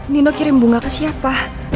nino kirim bunga ke siapa